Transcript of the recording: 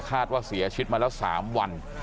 คาดว่าเสียชิดมาแล้ว๓วัน